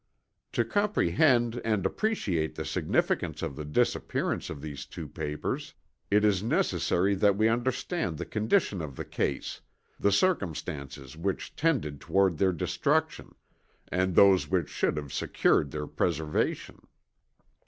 To comprehend and appreciate the significance of the disappearance of these two papers, it is necessary that we understand the conditions of the case the circumstances which tended toward their destruction, and those which should have secured their preservation.